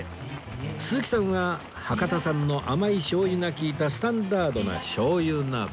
鈴木さんは博多産の甘いしょう油が利いたスタンダードなしょうゆ鍋